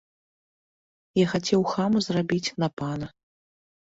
Я хацеў хама зрабіць на пана.